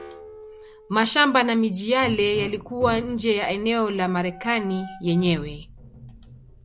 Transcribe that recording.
Mashamba na miji yale yalikuwa nje ya eneo la Marekani yenyewe.